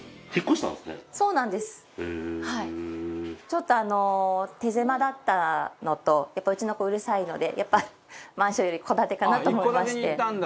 ちょっとあの手狭だったのとやっぱりうちの子うるさいのでマンションより戸建てかなと思いまして。